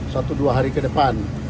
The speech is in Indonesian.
satu dua hari ke depan